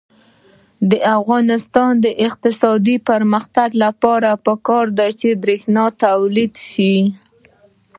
د افغانستان د اقتصادي پرمختګ لپاره پکار ده چې برښنا تولید شي.